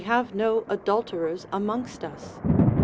have no adulterers amongst us.